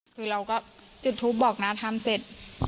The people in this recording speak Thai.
คือเราก็จุดทูปบอกนะทำเสร็จ